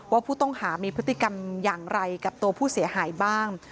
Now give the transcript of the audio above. ว่าผู้ต้องหามีพฤติกรรมอย่างไรกับตัวผู้เสียหายบ้าง